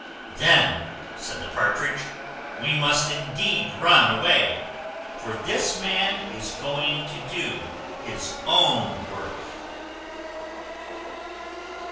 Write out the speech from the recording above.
"Then," said the Partridge, "we must indeed run away; for this man is going to do his own work."